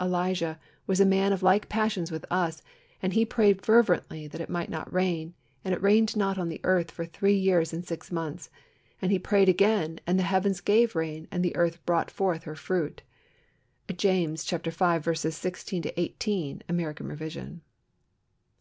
Elijah was a man of like passions with us, and he prayed fervently that it might not rain; and it rained not on the earth for three years and six months. And he prayed again, and the heavens gave rain and the earth brought forth her fruit" (James v. 16 18. American Revision).